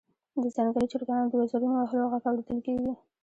د ځنګلي چرګانو د وزرونو وهلو غږ اوریدل کیږي